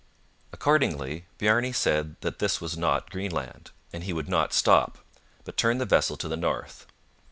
Accordingly, Bjarne said that this was not Greenland, and he would not stop, but turned the vessel to the north.